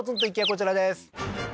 こちらです